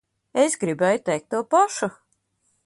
Es gribēju teikt to pašu.